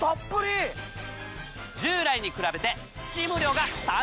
従来に比べて。